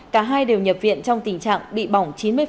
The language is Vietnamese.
cả hai đều nhập viện trong tình trạng bị bỏng